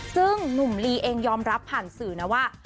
ซึ่งหนุ่มลีเองยอมรับผ่านสื่อนะว่า